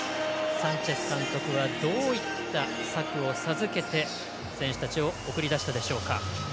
サンチェス監督はどういった策を授けて選手たちを送り出したでしょうか。